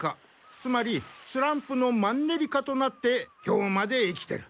つまりスランプのマンネリ化となって今日まで生きてる。